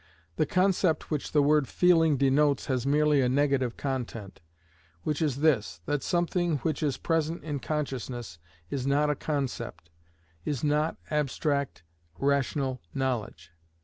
The concept which the word feeling denotes has merely a negative content, which is this, that something which is present in consciousness, is not a concept, is not abstract rational knowledge.